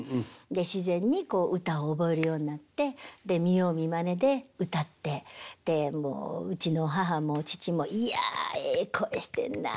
自然に歌を覚えるようになって見よう見まねで歌ってでもううちの母も父も「いやええ声してんな。